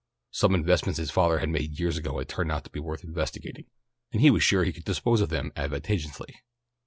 Some investments his father had made years ago had turned out to be worth investigating, and he was sure he could dispose of them advantageously.